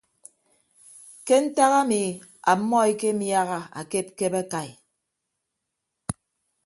Ke ntak ami ammọ ekemiaha akepkep akai.